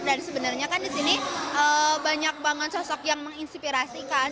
dan sebenarnya kan disini banyak banget sosok yang menginspirasikan